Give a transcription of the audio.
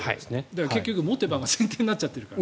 結局持てばが前提になっちゃってるから。